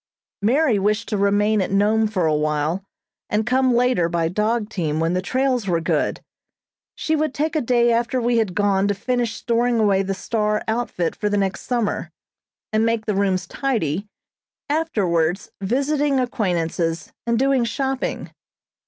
Mary wished to remain at Nome for a while, and come later by dog team when the trails were good. She would take a day after we had gone to finish storing away the "Star" outfit for the next summer, and make the rooms tidy, afterwards visiting acquaintances, and doing shopping.